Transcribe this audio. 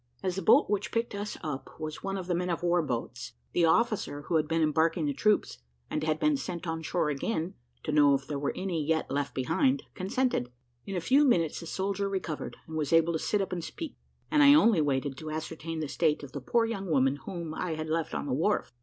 As the boat which picked us up was one of the men of war boats, the officer who had been embarking the troops, and had been sent on shore again to know if there were any yet left behind, consented. In a few minutes the soldier recovered, and was able to sit up and speak, and I only waited to ascertain the state of the poor young woman whom I had left on the wharf.